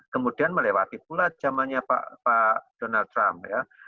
kemudian melewati pula zamannya pak donald trump ya